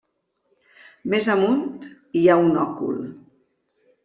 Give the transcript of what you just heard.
Més amunt hi ha un òcul.